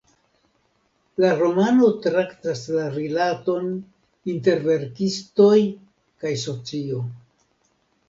La romano traktas la rilaton inter verkistoj kaj socio.